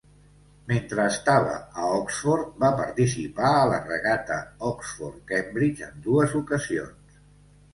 Mentre estava a Oxford, va participar a la Regata Oxford-Cambridge en dues ocasions.